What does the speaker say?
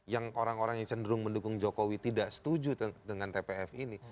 yang orang orang yang cenderung mendukung jokowi tidak setuju dengan tpf ini